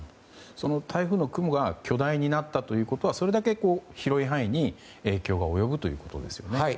台風の雲が巨大になったということはそれだけ広い範囲に影響が及ぶということですよね。